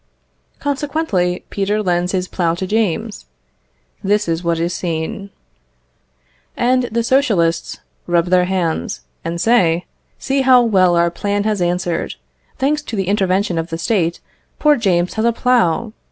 Consequently, Peter lends his plough to James: this is what is seen. And the Socialists rub their hands, and say, "See how well our plan has answered. Thanks to the intervention of the State, poor James has a plough.